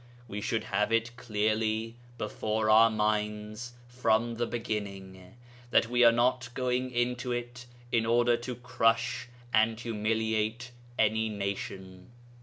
We should have it clearly before our minds from the beginning that we are not going into it in order to crush and humiliate any nation.